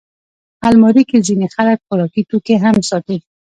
الماري کې ځینې خلک خوراکي توکي هم ساتي